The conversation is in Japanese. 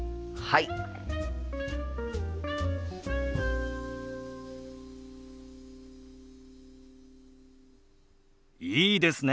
いいですね。